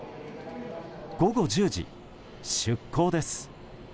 午後１０時、出航です。